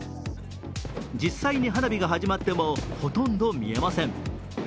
実際に花火が始まってもほとんど見えません。